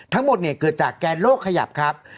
ทั้งหมดเนี่ยเกิดจากแกนโลกขยับครับ